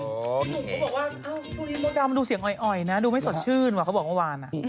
เขาบอกว่าอ้าวคุณมดดำมันดูเสียงอ่อยนะดูไม่สดชื่นกว่าเขาบอกเมื่อวาน